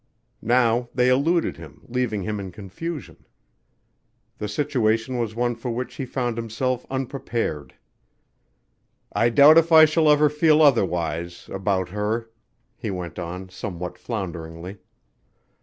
Now they eluded him, leaving him in confusion. The situation was one for which he found himself unprepared. "I doubt if I shall ever feel otherwise about her," he went on somewhat flounderingly.